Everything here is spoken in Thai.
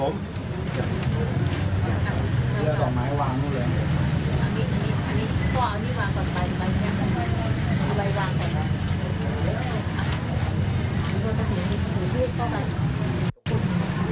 มิตรสหายทุกคนของท่าน